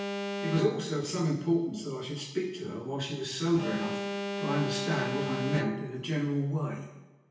It was also of some importance that I should speak to her while she was sober enough to understand what I meant in a general way.